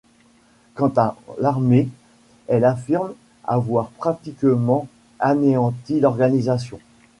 Quant à l'armée, elle affirme avoir pratiquement anéanti l'organisation.